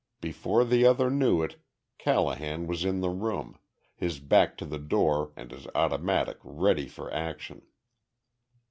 Before the other knew it, Callahan was in the room his back to the door and his automatic ready for action.